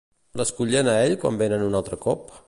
L'escullen a ell quan venen un altre cop?